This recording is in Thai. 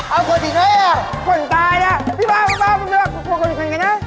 เอาคนทีนี้เหรอคนตายละพี่บาวคนที่สุดยังไงนะ